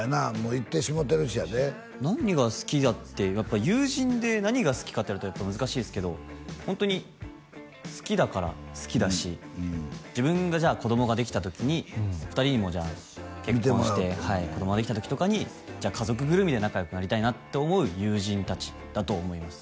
行ってしもうてるしやで何が好きだってやっぱ友人で何が好きかって言われると難しいですけどホントに好きだから好きだし自分がじゃあ子どもができた時に２人にもじゃあ結婚して見てもらう子どもができた時とかにじゃあ家族ぐるみで仲よくなりたいなって思う友人達だと思います